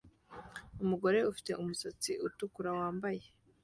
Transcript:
Umugore ufite umusatsi utukura wambaye